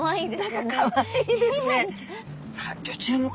何かかわいいですね。